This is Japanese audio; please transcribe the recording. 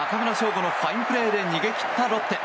吾のファインプレーで逃げ切ったロッテ。